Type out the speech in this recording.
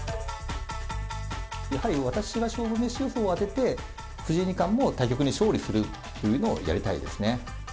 やはり私が勝負メシ予想を当てて、藤井二冠も対局に勝利するというのをやりたいですね。